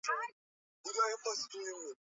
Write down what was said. Akuna jembe ile iko na makari sa yangu